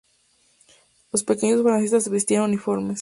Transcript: Los Pequeños Fascistas vestían uniformes.